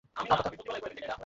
পাপ আর পুন্যের পরিভাষা কি?